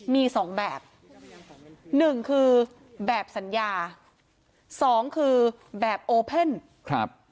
มีสองแบบหนึ่งคือแบบสัญญาสองคือแบบโอเพ่นครับ